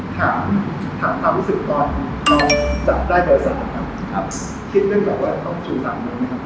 ถามความรู้สึกตอนเราจับได้เบอร์๓ครับคิดด้วยเบอร์๓เดี๋ยวไหมครับ